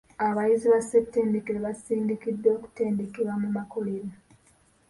Abayizi ba ssettendekero basindikiddwa okutendekebwa mu makolero.